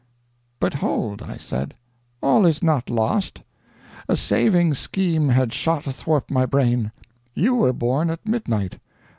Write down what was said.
"'But hold,' I said, 'all is not lost.' A saving scheme had shot athwart my brain. You were born at midnight.